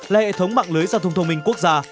là hệ thống mạng lưới giao thông thông minh quốc gia